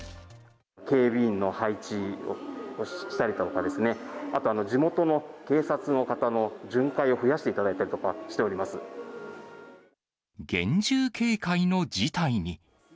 警備員の配置をしたりとかですね、あとは地元の警察の方の巡回を増やしていただいたりとかしており厳重警戒の事態に。